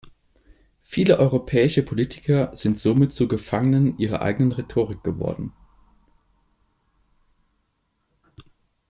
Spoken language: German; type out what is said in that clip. Viele europäische Politiker sind somit zu Gefangenen ihrer eigenen Rhetorik geworden.